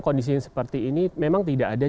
kondisi seperti ini memang tidak ada